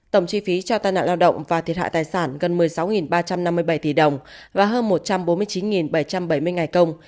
tổng chi phí cho tai nạn lao động và thiệt hại tài sản gần một mươi sáu ba trăm năm mươi bảy tỷ đồng và hơn một trăm bốn mươi chín bảy trăm bảy mươi ngày công